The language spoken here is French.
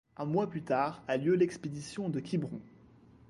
Un mois plus tard a lieu l'expédition de Quiberon.